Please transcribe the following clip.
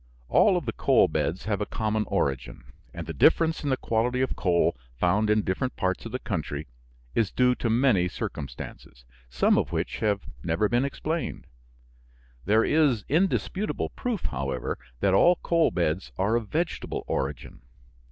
All of the coal beds have a common origin, and the difference in the quality of coal found in different parts of the country is due to many circumstances, some of which have never been explained. There is indisputable proof, however, that all coal beds are of vegetable origin.